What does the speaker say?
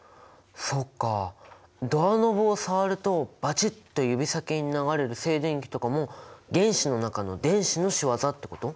そっかドアノブを触るとバチッと指先に流れる静電気とかも原子の中の電子のしわざってこと？